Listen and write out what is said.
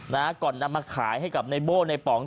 นะฮะก่อนนำมาขายให้กับในโบ้ในป๋อง